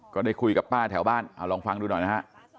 ก็ได้คุยกับป้าแถวบ้านเอาลองฟังดูหน่อยนะฮะ